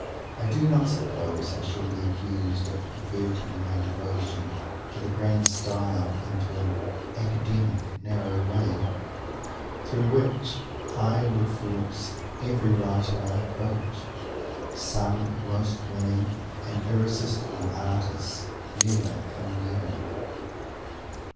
I do not suppose I shall be accused of perverting my devotion to the "grand style" into an academic "narrow way," through which I would force every writer I approach. Some most winning and irresistible artists never come near it.